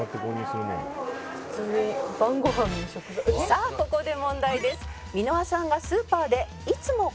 「さあここで問題です」